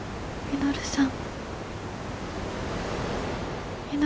稔さん。